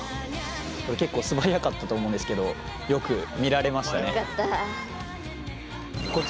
これ結構素早かったと思うんですけどよく見られましたね。ホンマよ。よかった。